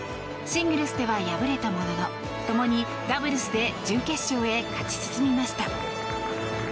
シングルスでは敗れたもののともにダブルスで準決勝へ勝ち進みました。